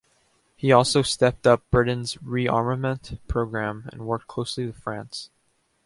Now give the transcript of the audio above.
He also stepped up Britain's rearmament program, and worked closely with France.